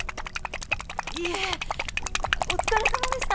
いえお疲れさまでした！